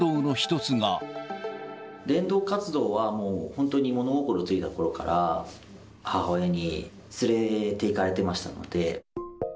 伝道活動は、もう本当に物心付いたころから、母親に連れていかれてましたので。